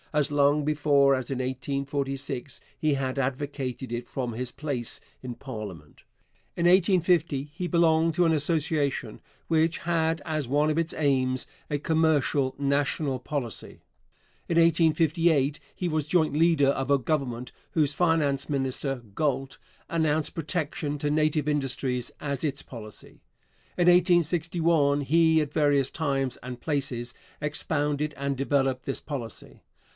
As long before as in 1846 he had advocated it from his place in parliament. In 1850 he belonged to an association which had as one of its aims a 'commercial national policy.' In 1858 he was joint leader of a Government whose finance minister (Galt) announced protection to native industries as its policy. In 1861 he at various times and places expounded and developed this policy.